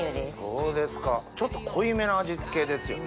そうですかちょっと濃いめな味付けですよね。